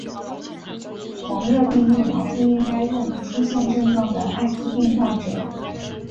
黄热病疫苗不应该用于出现症状的爱滋病患者。